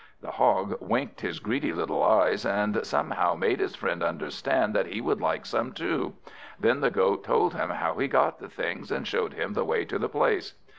The Hog winked his greedy little eyes, and somehow made his friend understand that he would like some too. Then the Goat told him how he got the things, and showed him the way to the place.